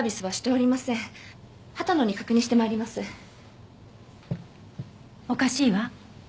おかしいわ。